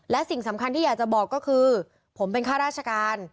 และสิ่งสำคัญที่อยากจะบอกก็คือผมเป็นข้าราชการ